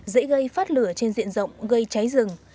dễ gây phát lửa trên diện rộng gây cháy rừng